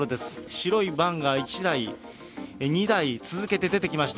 白いバンが１台、２台続けて出てきました。